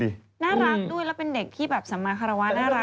น่ารักด้วยแล้วเป็นเด็กสะมารและคลาวะ